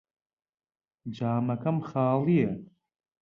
جامەکەم خاڵییە.